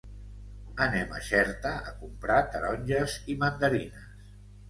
Anem a Xerta a comprar taronges i mandarines.